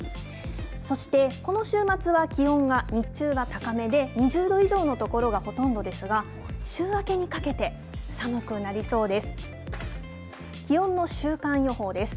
そして、この週末は気温が日中は高めで、２０度以上の所がほとんどですが、週明けにかけて寒くなりそうです。